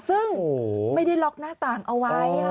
ซึ่งไม่ได้ล็อกหน้าต่างเอาไว้